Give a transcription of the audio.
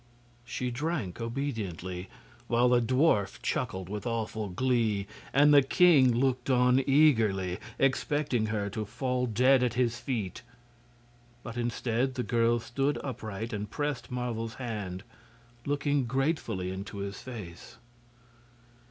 She drank obediently, while the dwarf chuckled with awful glee and the king looked on eagerly, expecting her to fall dead at his feet. But instead the girl stood upright and pressed Marvel's hand, looking gratefully into his face.